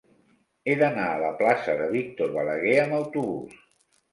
He d'anar a la plaça de Víctor Balaguer amb autobús.